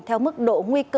theo mức độ nguy cơ